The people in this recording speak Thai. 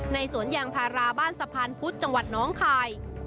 สวนยางพาราบ้านสะพานพุธจังหวัดน้องคาย